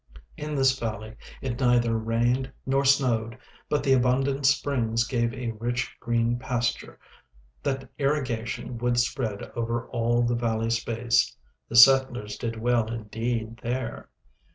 In this valley it neither rained nor snowed, but the abundant springs gave a rich green pasture, that irrigation would spread over all the valley space. The settlers did well indeed there.